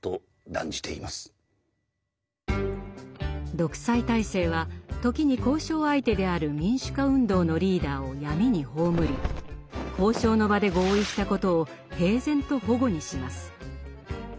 独裁体制は時に交渉相手である民主化運動のリーダーを闇に葬り交渉の場で合意したことを平然と反故にします。